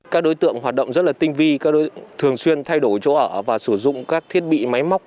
các đối tượng hoạt động rất là tinh vi thường xuyên thay đổi chỗ ở và sử dụng các thiết bị máy móc